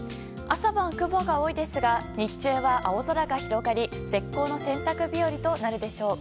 朝晩、雲が多いですが日中は青空が広がり絶好の洗濯日和となるでしょう。